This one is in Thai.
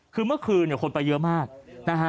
คือเมื่อคืนเนี่ยคนไปเยอะมากนะฮะ